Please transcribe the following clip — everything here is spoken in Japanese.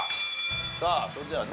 さあそれではね